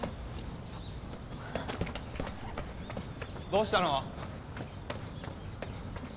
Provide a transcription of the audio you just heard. どうしたの？